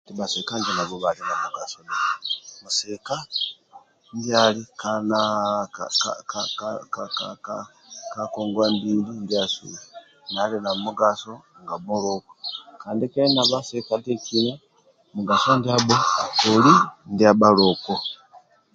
Bhasika nabho bhali na mugaso bhasika ndibhali ka ka ka ka ngongwa ndiasu naye ali na mugaso nga muluku kandi kili na bhasika mugaso ndiabho akoli ndia muluku